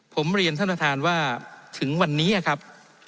ผมเรียนท่านประธานว่าถึงวันนี้ครับ